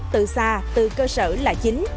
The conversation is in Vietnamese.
từ xa từ cơ sở là chính